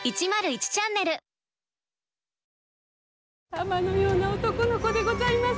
玉のような男の子でございます。